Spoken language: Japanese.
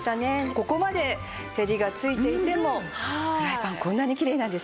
ここまで照りがついていてもフライパンこんなにきれいなんですよ。